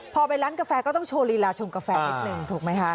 พอไปร้านกาแฟก็ต้องโชว์ลีลาชงกาแฟนิดนึงถูกไหมคะ